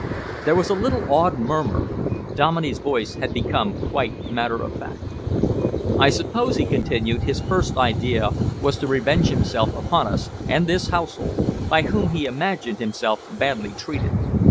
There was a little awed murmur. Dominey's voice had become quite matter of fact. "I suppose," he continued, "his first idea was to revenge himself upon us and this household, by whom he imagined himself badly treated.